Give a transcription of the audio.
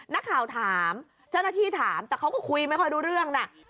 นักข่าวถามเจ้าหน้าที่ถามแต่เขาก็คุยไม่ค่อยรู้เรื่องนะ